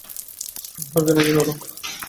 স্বর্গ নাকি নরক?